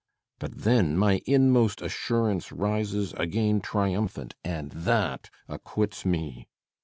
] But then my inmost assurance rises again triumphant; and that acquits me.